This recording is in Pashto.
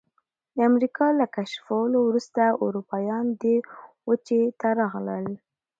د امریکا له کشفولو وروسته اروپایان دې وچې ته راغلل.